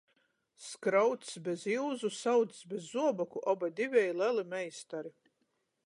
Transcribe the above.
Skraucs bez iuzu, saucs bez zuoboku – oba diveji leli meistari.